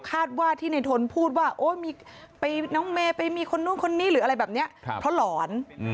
คาดว่าที่ในทนพูดว่าน้องเมย์ไปมีคนนู้นคนนี้หรืออะไรแบบนี้เพราะหลอน